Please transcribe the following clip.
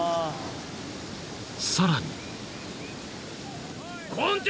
［さらに］